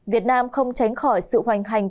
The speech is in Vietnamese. việt nam không tránh khỏi sự hoành hành